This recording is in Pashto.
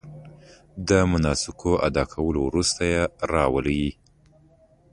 د مناسکو ادا کولو وروسته یې راولي.